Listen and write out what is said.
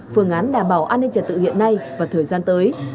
phương án đảm bảo an ninh trật tự hiện nay và thời gian tới